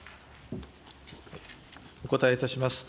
お答えいたします。